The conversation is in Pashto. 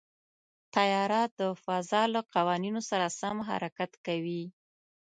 طیاره د فضا له قوانینو سره سم حرکت کوي.